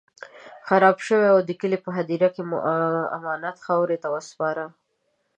خراب شوی و، د کلي په هديره کې مو امانت خاورو ته وسپاره.